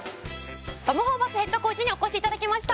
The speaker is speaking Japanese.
トム・ホーバスヘッドコーチにお越しいただきました！